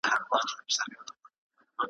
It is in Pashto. د درمل په نوم یې راکړ دا چي زهر نوشومه `